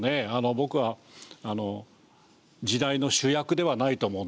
僕は時代の主役ではないと思うんですよ。